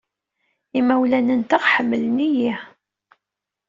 Imawlan-nteɣ ḥemmlen-iyi.